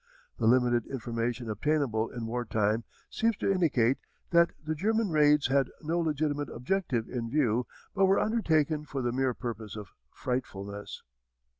The limited information obtainable in wartime seems to indicate that the German raids had no legitimate objective in view but were undertaken for the mere purpose of frightfulness.